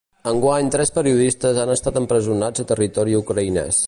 Enguany tres periodistes han estat empresonats a territori ucraïnès.